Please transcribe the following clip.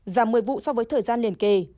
giảm một mươi vụ so với thời gian liền kề